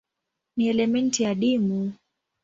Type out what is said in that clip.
Ni elementi adimu.